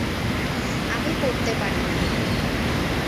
আমি পড়তে পারি না।